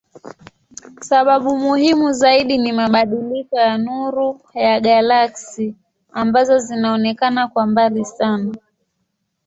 Sababu muhimu zaidi ni mabadiliko ya nuru ya galaksi ambazo zinaonekana kuwa mbali sana.